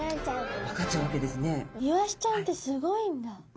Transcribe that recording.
イワシちゃんってすごいんだ。